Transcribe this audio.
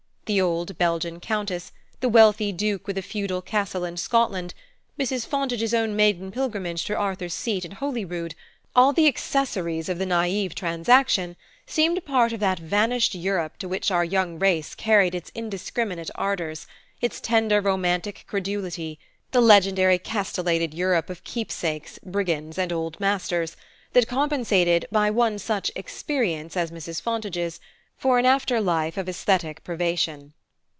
The old Belgian Countess, the wealthy Duke with a feudal castle in Scotland, Mrs. Fontage's own maiden pilgrimage to Arthur's Seat and Holyrood, all the accessories of the naïf transaction, seemed a part of that vanished Europe to which our young race carried its indiscriminate ardors, its tender romantic credulity: the legendary castellated Europe of keepsakes, brigands and old masters, that compensated, by one such "experience" as Mrs. Fontage's, for an after life of aesthetic privation.